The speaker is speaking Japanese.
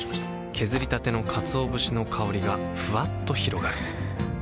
削りたてのかつお節の香りがふわっと広がるはぁ。